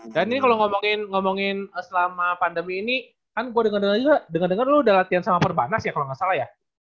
dan ini kalau ngomongin selama pandemi ini kan gue denger denger lu udah latihan sama perbanas ya kalau nggak salah ya